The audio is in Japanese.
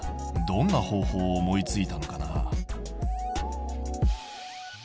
どんな方法を思いついたのかな？